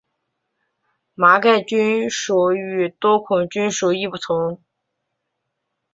麻盖菌属与多孔菌属亦不同。